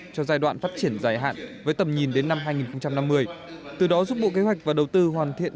cho giai đoạn phát triển dài hạn với tầm nhìn đến năm hai nghìn năm mươi từ đó giúp bộ kế hoạch và đầu tư hoàn thiện